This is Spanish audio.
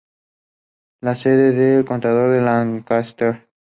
La sede de condado es Lancaster.